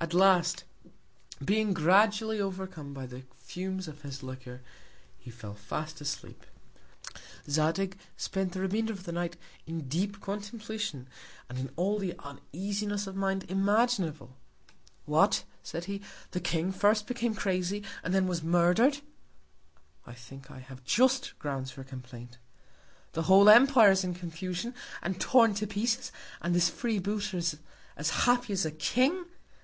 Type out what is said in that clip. At last, being gradually overcome by the Fumes of his Liquor, he fell fast asleep. Zadig spent the Remainder of the Night in deep Contemplation, and in all the Uneasiness of Mind imaginable. What, said he, the King first became crazy, and then was murder'd. I think I have just Grounds for Complaint. The whole Empire is in Confusion, and torn to Pieces, and this Free booter is as happy as a King.